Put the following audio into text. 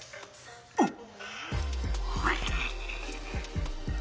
おっ！